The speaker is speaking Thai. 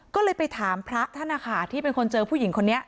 ก็เลยไปถามพระท่านนะคะที่เป็นคนเจอผู้หญิงคนนี้